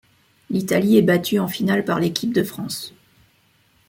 L'Italie est battue en finale par l'équipe de France.